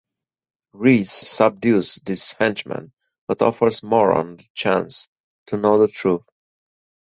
Reese subdues his henchmen but offers Moran the chance to know the truth.